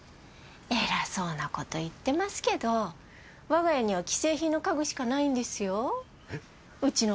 偉そうなこと言ってますけど我が家には既製品の家具しかないんですよ。えっ？